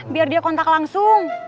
biar dia kontak langsung